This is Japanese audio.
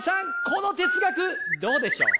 この哲学どうでしょう？